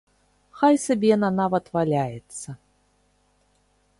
Хай сабе яна нават валяецца!